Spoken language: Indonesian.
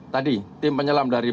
tadi tim penyelam dari